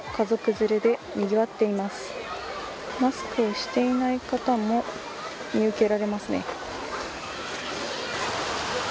マスクをしていない方も見受けられますね。